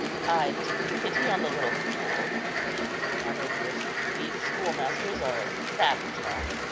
"I've taken pity on the little fool," answered Arnobius; "these schoolmasters are a savage lot.